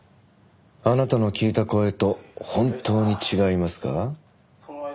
あなたの聞いた声と本当に違いますか？